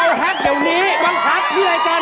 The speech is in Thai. เอาฮักเดี๋ยวนี้มันฮักที่รายการ